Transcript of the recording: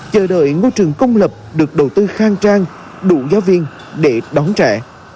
chờ đợi ngôi trường công lập được đầu tư khang trang đủ giáo viên để đón trẻ